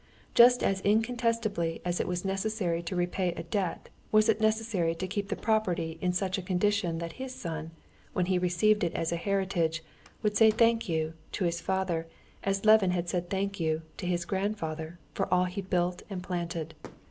Just as incontestably as it was necessary to repay a debt was it necessary to keep the property in such a condition that his son, when he received it as a heritage, would say "thank you" to his father as Levin had said "thank you" to his grandfather for all he built and planted.